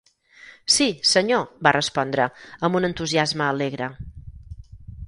Sí, senyor, va respondre, amb un entusiasme alegre.